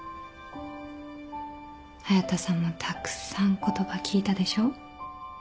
隼田さんもたくさん言葉聞いたでしょ？